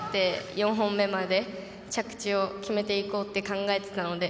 ４本目まで着地を決めていこうと考えていたので。